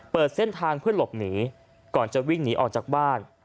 เปิดเส้นทางเพื่อหลบหนีก่อนจะวิ่งหนีออกจากบ้าน